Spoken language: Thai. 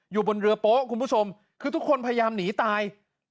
อยู่บนเรือโป๊ะคุณผู้ชมคือทุกคนพยายามหนีตาย